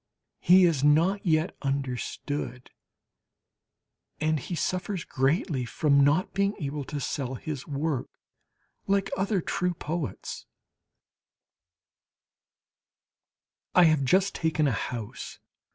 He is not yet understood, and he suffers greatly from not being able to sell his work like other true poets. I have just taken a house.